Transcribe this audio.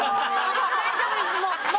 もう大丈夫です！